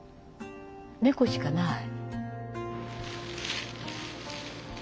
猫しかない。